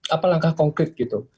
apa langkah konkret gitu